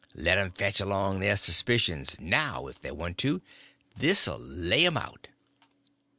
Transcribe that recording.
Let 'em fetch along their suspicions now if they want to—this 'll lay 'em out."